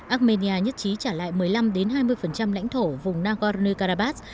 armenia nhất trí trả lại một mươi năm hai mươi lãnh thổ vùng nagorno karabakh